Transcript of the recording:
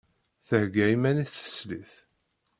Thegga iman-is teslit.